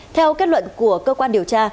theo kết luận của cơ quan điều tra